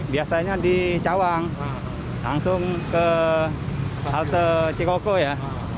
biasanya di cawang langsung ke halte cikoko ya